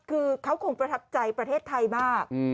คือเขาคงประทับใจประเทศไทยมาก